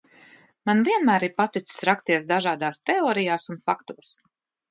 Man vienmēr ir paticis rakties dažādās teorijās un faktos.